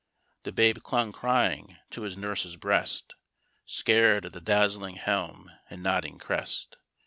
The babe clung crying to his nurse's breast, Scar'd at the dazzling helm and nodding crest.